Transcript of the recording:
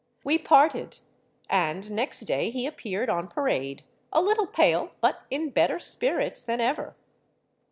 We parted; and next day he appeared on parade, a little pale, but in better spirits than ever.